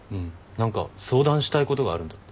何か相談したいことがあるんだって。